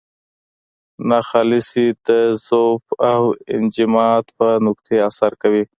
ناخالصې د ذوب او انجماد په نقطې اثر کوي.